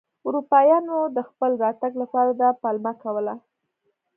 اروپایانو د خپل راتګ لپاره دا پلمه کوله.